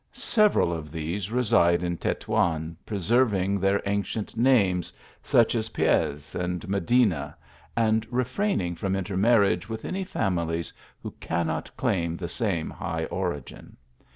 Several of these reside in Tetuan, preserving their ancient names, such as Paez, and Medina, and refraining from inter marriage with any families who cannot claim the same high origin.